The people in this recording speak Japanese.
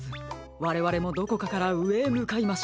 われわれもどこかからうえへむかいましょう。